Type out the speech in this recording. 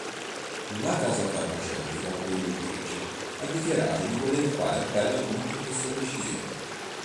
La casa farmaceutica produttrice ha dichiarato di voler fare appello contro questa decisione.